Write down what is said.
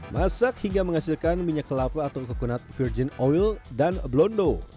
masak hingga menghasilkan minyak kelapa atau coconut virgin oil dan blondo